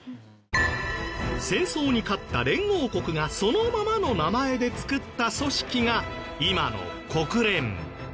戦争に勝った連合国がそのままの名前で作った組織が今の国連。